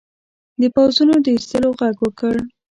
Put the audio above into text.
د پوځونو د ایستلو ږغ وکړ.